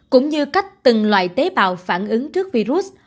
cũng như cách từng loại tế bào phản ứng trước virus